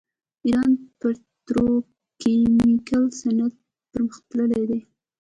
د ایران پتروکیمیکل صنعت پرمختللی دی.